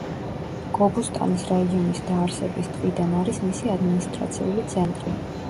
გობუსტანის რაიონის დაარსების დღიდან არის მისი ადმინისტრაციული ცენტრი.